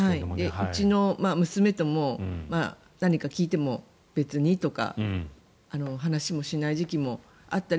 うちの娘に聞いても別にとか話もしない時期もあったり。